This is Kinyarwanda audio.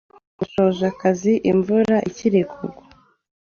Washoje akazi imvura ikirikugwa